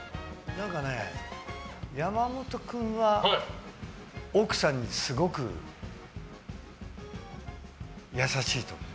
何かね、山本君は奥さんにすごく優しいと思う。